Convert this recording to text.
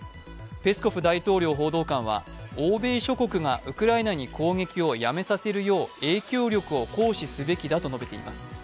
ペスコフ大統領報道官は欧米諸国がウクライナに攻撃をやめさせるよう影響力を行使すべきだと述べています。